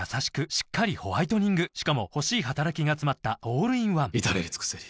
しっかりホワイトニングしかも欲しい働きがつまったオールインワン至れり尽せり